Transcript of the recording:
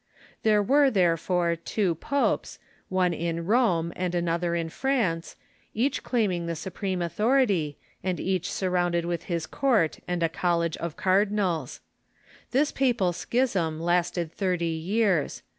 There were, therefore, two popes, one in Rome and another in France, each claiming the supreme authority, and each surrounded Avith his court and a college of cardinals. This papal schism lasted thirty years.